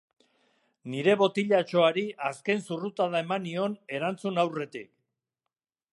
Nire botilatxoari azken zurrutada eman nion erantzun aurretik.